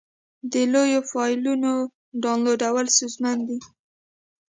د لویو فایلونو نه ډاونلوډ ستونزمن دی.